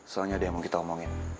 soalnya ada yang mau kita omongin